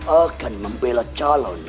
akan membela calon istri